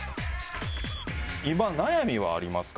今、悩みはありますか？